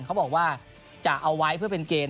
เขาบอกว่าจะเอาไว้เพื่อเป็นเกณฑ์